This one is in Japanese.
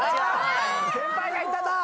先輩がいたな。